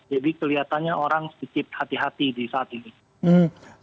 jadi kelihatannya orang sedikit hati hati di saat ini